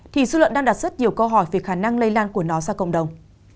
thì dư luận đang đặt rất nhiều câu hỏi về khả năng lây lan của nó ra cộng đồng